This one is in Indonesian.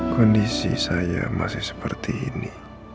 kondisi saya masih seperti ini